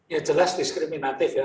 ya jelas diskriminatif ya